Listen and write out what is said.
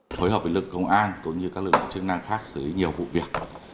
phối hợp với lực công an cũng như các lực chứng năng khác xử lý nhiều vụ việc